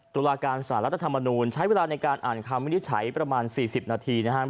ตุลาการสารรัฐธรรมนูญใช้เวลาในการอ่านคำวินิจฉัยประมาณ๔๐นาทีนะครับ